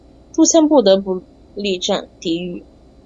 朱谦不得不力战抵御。